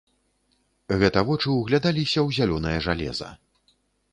Гэта вочы ўглядаліся ў зялёнае жалеза.